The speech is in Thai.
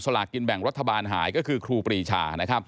ลากินแบ่งรัฐบาลหายก็คือครูปรีชา